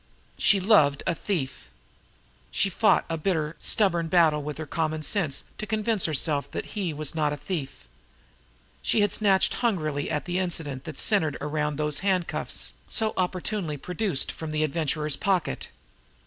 She loved a thief. She had fought a bitter, stubborn battle with her common sense to convince herself that he was not a thief. She had snatched hungrily at the incident that centered around those handcuffs, so opportunely produced from the Adventurer's pocket.